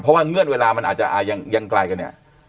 เพราะว่าเงื่อนเวลามันอาจจะยังไกลกันเนี่ย